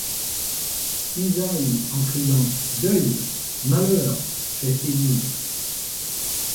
Isaïe en criant : Deuil ! malheur ! fait hennir